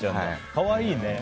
可愛いね。